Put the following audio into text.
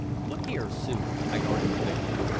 "Look here, Sue," I argued vaguely.